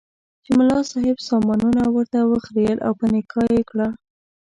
چې ملا صاحب سامانونه ورته وخریېل او په نکاح یې کړه.